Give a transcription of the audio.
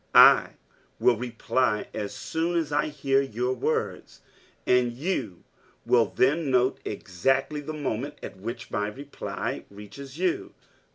I will reply as soon as I hear your words and you will then note exactly the moment at which my reply reaches you."